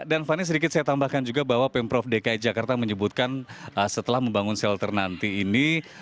dan fanny sedikit saya tambahkan juga bahwa pemprov dki jakarta menyebutkan setelah membangun shelter nanti ini